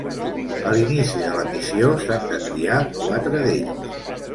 A l'inici de la missió s'han de triar quatre d'ells.